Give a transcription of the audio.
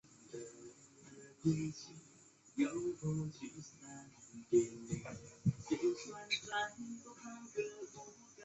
随时坚强认真的等待